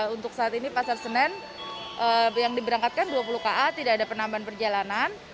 untuk saat ini pasar senen yang diberangkatkan dua puluh ka tidak ada penambahan perjalanan